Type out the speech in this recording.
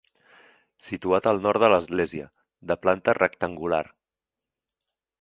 Situat al nord de l'església, de planta rectangular.